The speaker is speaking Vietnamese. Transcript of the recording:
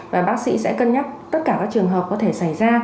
và bác sĩ sẽ cân nhắc tất cả các trường hợp có thể xảy ra